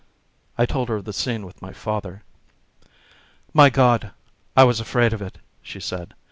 I told her of the scene with my father. "My God! I was afraid of it," she said.